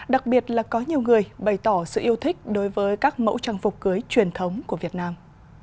đặc biệt là có nhiều người bày tỏ sự yêu thích đối với các mẫu trang phục cưới truyền thống của việt nam